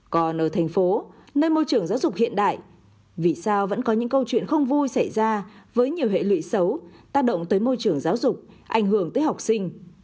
còn ở thành phố nơi môi trường giáo dục hiện đại vì sao vẫn có những câu chuyện không vui xảy ra với nhiều hệ lụy xấu tác động tới môi trường giáo dục ảnh hưởng tới học sinh